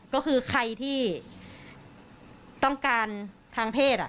ก็คือใครที่ต้องการทางเพศ